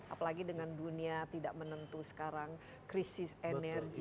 apalagi dengan dunia tidak menentu sekarang krisis energi